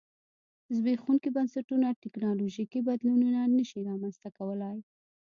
زبېښونکي بنسټونه ټکنالوژیکي بدلونونه نه شي رامنځته کولای